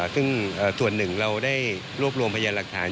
ซึ่งส่วนหนึ่งเราได้รวบรวมพยานหลักฐาน